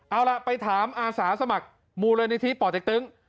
เอาล่ะไปถามอาสาสมัครมูลนิธิป่อเต็กตึง